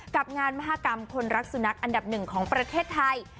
กับงานมหากรรมคนรักสุนัขอันดับหนึ่งของประเทศไทย